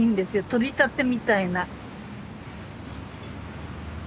とりたてみたいな。